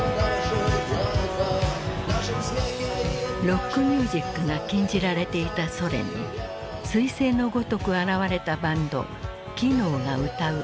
ロックミュージックが禁じられていたソ連にすい星のごとく現れたバンドキノーが歌う